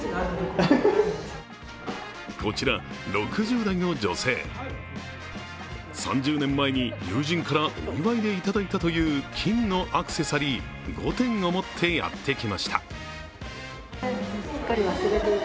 こちら、６０代の女性、３０年前に友人からお祝いでいただいたという金のアクセサリー５点を持ってやってきました。